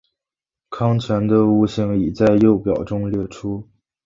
糠醛的物性已在右表中列出。